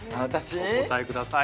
お答えください